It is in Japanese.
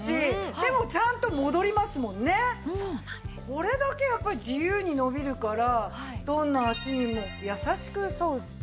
これだけやっぱり自由に伸びるからどんな足にも優しく沿うんですよね。